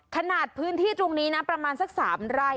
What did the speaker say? ขนาดพื้นที่ตรงนี้นะประมาณสัก๓ไร่